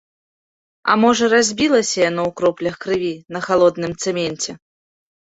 А можа, разбілася яно ў кроплях крыві на халодным цэменце?